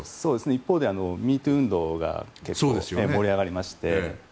一方で「ＭｅＴｏｏ」運動が結構盛り上がりまして。